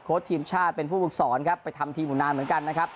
ทีมชาติเป็นผู้ฝึกสอนครับไปทำทีมอยู่นานเหมือนกันนะครับ